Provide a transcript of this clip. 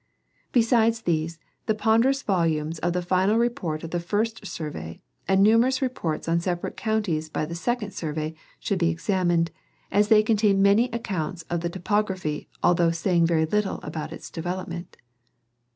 Besides these, the ponderous volumes of the final report of the first survey and numerous rejDorts on separate counties by the second survey should be examined, as they contain many accounts of the topography although saying very little about its development.